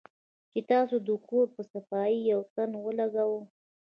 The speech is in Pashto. چې تاسو د کور پۀ صفائي يو تن ولګوۀ